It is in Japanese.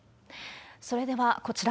それでは、こちら。